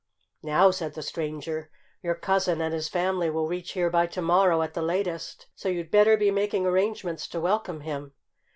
"Now," said the stranger, "your cousin and his family will reach here by to morrow at the latest. So you'd better be making arrangements to welcome him.